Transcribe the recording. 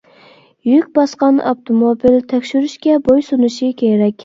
يۈك باسقان ئاپتوموبىل تەكشۈرۈشكە بويسۇنۇشى كېرەك.